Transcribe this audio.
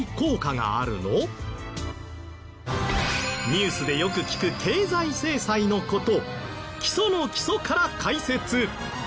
ニュースでよく聞く経済制裁の事基礎の基礎から解説！